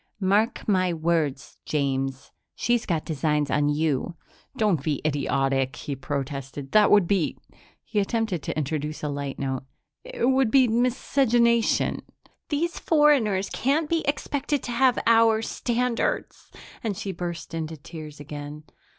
Mark my words, James, she's got designs on you." "Don't be idiotic," he protested. "That would be " he attempted to introduce a light note "it would be miscegenation." "These foreigners can't be expected to have our standards." And she burst into tears again.